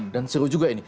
dan seru juga ini